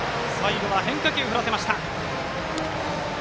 変化球を振らせました。